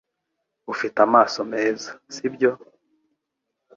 Ufite amaso meza, sibyo?